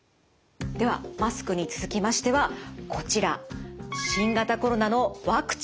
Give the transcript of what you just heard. ではマスクに続きましてはこちら新型コロナのワクチンです。